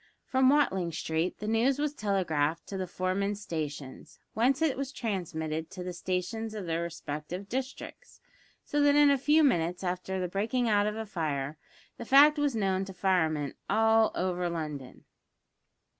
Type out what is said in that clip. From Watling Street the news was telegraphed to the foremen's stations, whence it was transmitted to the stations of their respective districts, so that in a few minutes after the breaking out of a fire the fact was known to the firemen all over London.